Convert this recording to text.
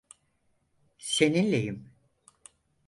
Seninleyim.